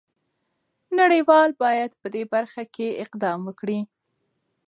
نړۍ وال باید په دې برخه کې اقدام وکړي.